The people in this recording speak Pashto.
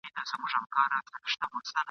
وروسته چیري ځي په هیڅ نه یم خبره !.